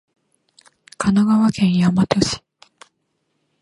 神奈川県大和市